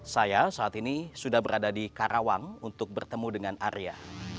saya saat ini sudah berada di karawang untuk bertemu dengan arya